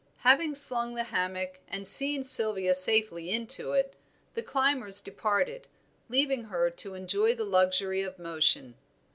Having slung the hammock and seen Sylvia safely into it, the climbers departed, leaving her to enjoy the luxury of motion.